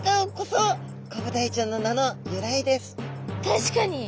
確かに。